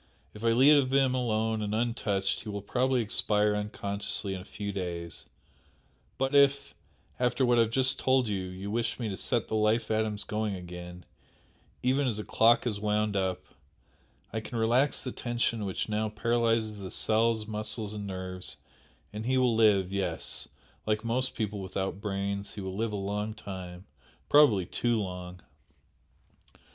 If I leave him alone and untouched he will probably expire unconsciously in a few days, but if after what I have just told you you wish me to set the life atoms going again, even as a clock is wound up, I can relax the tension which now paralyses the cells, muscles and nerves, and he will live yes! like most people without brains he will live a long time probably too long!"